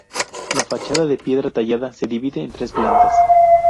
La fachada, de piedra tallada, se divide en tres plantas.